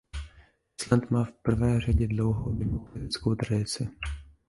Island má v prvé řadě dlouhou demokratickou tradici.